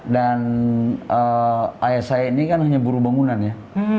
dan ayah saya ini kan hanya buru bangunan ya